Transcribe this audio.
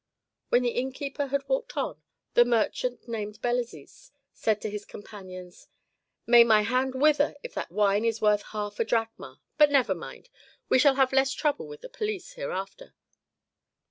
When the innkeeper had walked on, the merchant named Belezis said to his companions, "May my hand wither if that wine is worth half a drachma! But never mind! We shall have less trouble with the police hereafter."